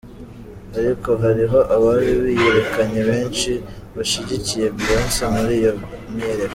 Ariko hariho abari biyerekanye benshi bashigikiye Beyonce muri iyo myiyerekano.